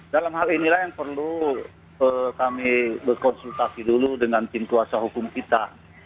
dalam hal inilah yang perlu kami berkonsultasi dulu dengan tim kuasa hukum kita